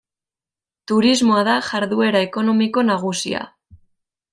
Turismoa da jarduera ekonomiko nagusia.